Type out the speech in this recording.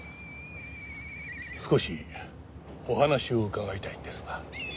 少しお話を伺いたいんですが。